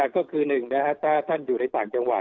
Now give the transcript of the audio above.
ก็คือหนึ่งนะครับถ้าท่านอยู่ในศาลกบ